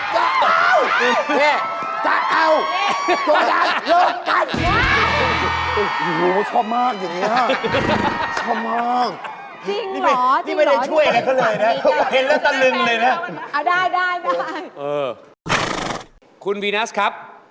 ลองอาศูนย์มากด้วยค่ะ